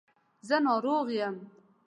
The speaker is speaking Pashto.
زه ناروغ یم.